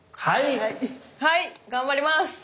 はい頑張ります。